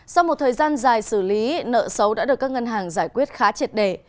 sau một thời gian dài xử lý nợ xấu đã được các ngân hàng giải quyết khá triệt đề